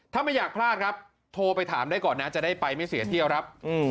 ถ้าไม่อยากพลาดครับโทรไปถามได้ก่อนนะจะได้ไปไม่เสียเที่ยวครับ